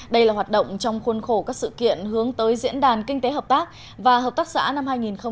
đây là hoạt động trong khuôn khổ các sự kiện hướng tới diễn đàn kinh tế hợp tác và hợp tác xã năm hai nghìn một mươi chín